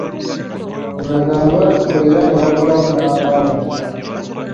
Endagaano baazikola era ne baggulawo ne akawunti.